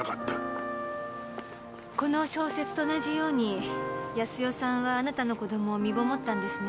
この小説と同じように康代さんはあなたの子供を身ごもったんですね？